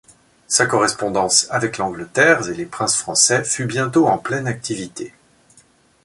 Sa correspondance avec l'Angleterre et les princes français fut bientôt en pleine activité.